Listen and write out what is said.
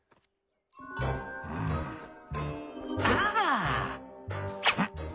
うんああっ！